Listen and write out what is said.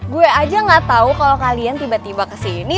gua aja gak tau kalo kalian tiba tiba kesini